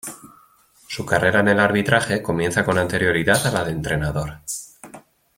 Su carrera en el arbitraje comienza con anterioridad a la de entrenador.